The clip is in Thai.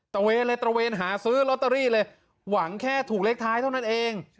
ระเวนเลยตระเวนหาซื้อลอตเตอรี่เลยหวังแค่ถูกเลขท้ายเท่านั้นเอง